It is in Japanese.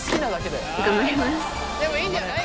でもいいんじゃない？